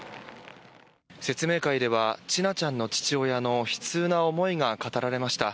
説明会では千奈ちゃんの父親の悲痛な思いが語られました。